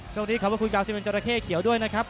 ขอบคุณกาวซิเมนจราเข้เขียวด้วยนะครับ